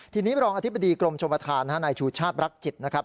ทีนี้รองอธิบดีกรมชมประธานนายชูชาติรักจิตนะครับ